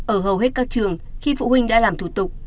ở hầu hết các trường khi phụ huynh đã làm thủ tục